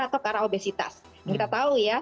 atau karena obesitas kita tahu ya